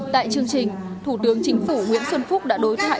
tại chương trình thủ tướng chính phủ nguyễn xuân phúc đã đối thoại